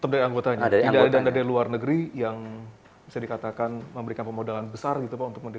dari anggotanya dari luar negeri yang bisa dikatakan memberikan pemodalan besar gitu pak